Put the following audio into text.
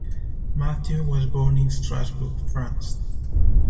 Mathieu was born in Strasbourg, France.